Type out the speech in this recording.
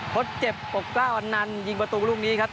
ทดเจ็บปกกล้าอันนันยิงประตูลูกนี้ครับ